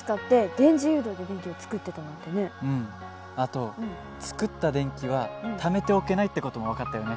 あと作った電気はためておけないって事も分かったよね。